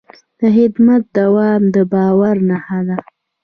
د خدمت دوام د باور نښه ده.